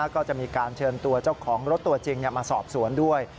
ก็จะมีการเชิญตัวเจ้าของรถตัวจริงมาสอบสวนด้วย